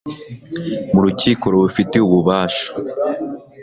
mu rukiko rubifitiye ububasha